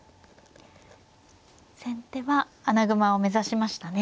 先手は穴熊を目指しましたね。